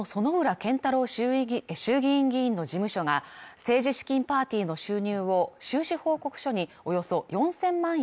健太郎衆議院議員の事務所が政治資金パーティーの収入を収支報告書におよそ４０００万円